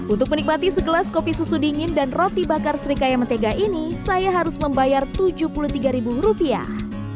untuk menikmati segelas kopi susu dingin dan roti bakar serikaya mentega ini saya harus membayar tujuh puluh tiga ribu rupiah